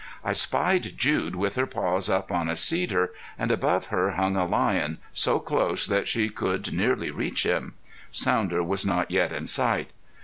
I spied Jude with her paws up on a cedar, and above her hung a lion, so close that she could nearly reach him. Sounder was not yet in sight.